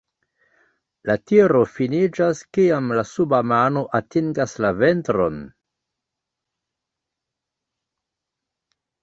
La tiro finiĝas kiam la suba mano atingas la ventron.